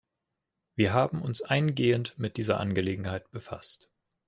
Wir haben uns eingehend mit dieser Angelegenheit befasst.